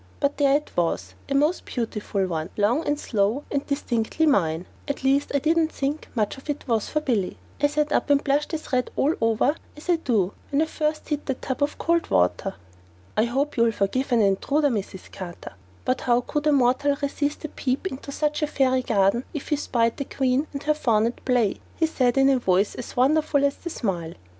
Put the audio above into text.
But there it was, a most beautiful one, long and slow and distinctly mine at least I didn't think much of it was for Billy. I sat up and blushed as red all over as I do when I first hit that tub of cold water. "I hope you'll forgive an intruder, Mrs. Carter, but how could a mortal resist a peep into such a fairy garden if he spied the queen and her faun at play?" he said in a voice as wonderful as the smile.